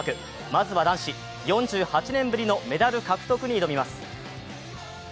まずは男子、４８年ぶりのメダル獲得に挑みます。